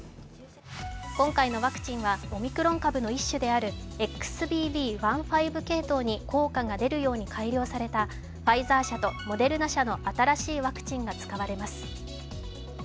今回のワクチンはオミクロン株の一種であるＸＢＢ．１．５系統に効果が出るように改良されたファイザー社とモデルナ社の新しいワクチンが使われます。